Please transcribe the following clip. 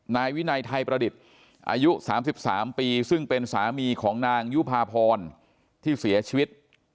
นายวินัยไทยประดิษฐ์อายุ๓๓ปีซึ่งเป็นสามีของนางยุภาพรที่เสียชีวิต